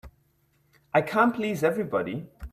I can't please everybody.